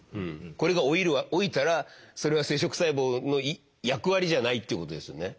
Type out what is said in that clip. これが老いたらそれは生殖細胞の役割じゃないっていうことですよね？